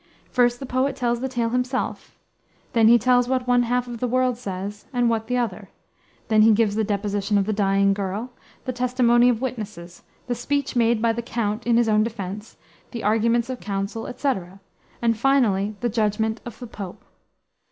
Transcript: First the poet tells the tale himself; then he tells what one half of the world says and what the other; then he gives the deposition of the dying girl, the testimony of witnesses, the speech made by the count in his own defense, the arguments of counsel, etc., and, finally, the judgment of the pope.